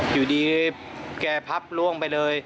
อยู่ดีแกพับล่วงไปเลย